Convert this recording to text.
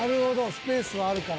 スペースはあるから。